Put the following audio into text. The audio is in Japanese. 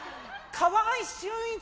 川合俊一